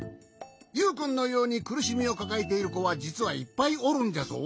ユウくんのようにくるしみをかかえているこはじつはいっぱいおるんじゃぞ。